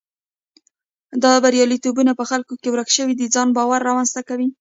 دا بریالیتوب په خلکو کې ورک شوی ځان باور رامنځته کوي.